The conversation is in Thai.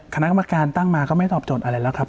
คณะกรรมการตั้งมาก็ไม่ตอบโจทย์อะไรแล้วครับ